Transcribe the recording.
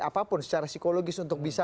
apapun secara psikologis untuk bisa